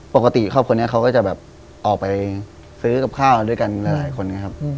ครอบครัวนี้เขาก็จะแบบออกไปซื้อกับข้าวด้วยกันหลายคนนะครับ